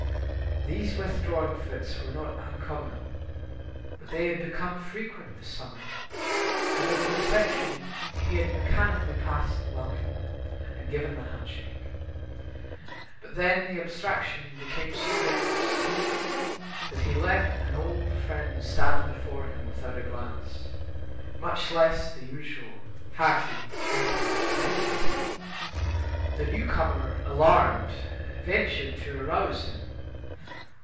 These withdrawing fits were not uncommon, but they had become frequent this summer, and at the reception he had mechanically passed the welcome and given the hand shake. But then the abstraction became so dense that he let an old friend stand before him without a glance, much less the usual hearty greeting expected. The newcomer, alarmed, ventured to arouse him.